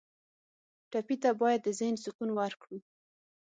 ټپي ته باید د ذهن سکون ورکړو.